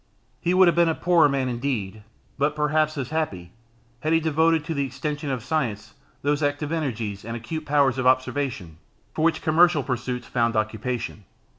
He would have been a poorer man, indeed, but perhaps as happy, had he devoted to the extension of science those active energies, and acute powers of observation, for which commercial pursuits found occupation.